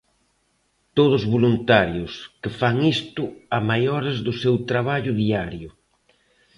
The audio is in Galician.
Todos voluntarios, que fan isto a maiores do seu traballo diario.